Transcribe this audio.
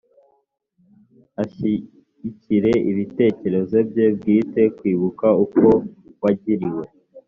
ashyigikire ibitekerezo bye bwite kwibuka uko wagiriwe